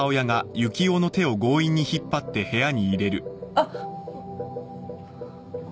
あっ。